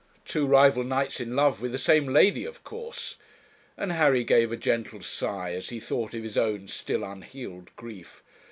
two rival knights in love with the same lady, of course,' and Harry gave a gentle sigh as he thought of his own still unhealed grief.